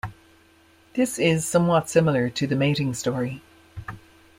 This is somewhat similar to the mating story.